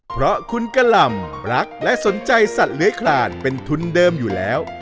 เพราะคุณกะหล่ำรักและสนใจสัตว์เลื้อยคลานเป็นทุนเดิมอยู่แล้ว